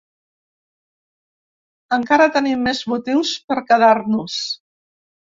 Encara tenim més motius per quedar-nos.